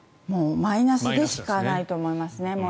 マイナスでしかないと思います。